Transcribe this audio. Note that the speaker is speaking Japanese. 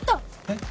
えっ？